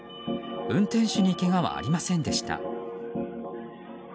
運転手にけがはありませんでした。